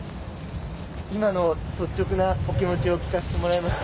今の率直なお気持ちを聞かせてもらえますか？